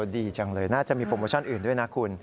ดีจังเลยน่าจะมีโปรโมชั่นอื่นด้วยนะคุณ